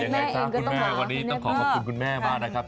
ยังไงซะคุณแม่วันนี้ต้องขอขอบคุณคุณแม่มากนะครับ